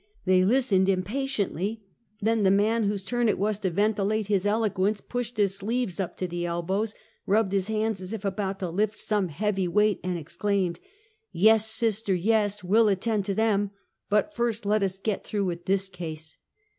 They listened impatiently; then the man whose turn it was to ventilate his eloquence, pushed his sleeves up to the elbows, rubbed his hands as if about to lift some heavy weight, and exclaimed: " Yes, sister! Yes. We'll attend to them; but, iBrst, let us get through with this case!"